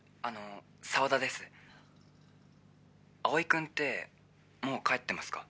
碧君ってもう帰ってますか？